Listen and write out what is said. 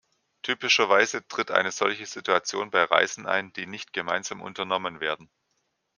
Typischerweise tritt eine solche Situation bei Reisen ein, die nicht gemeinsam unternommen werden.